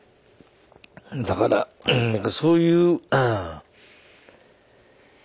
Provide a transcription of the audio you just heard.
だからなんかそういう。